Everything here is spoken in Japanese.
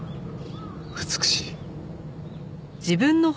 美しい。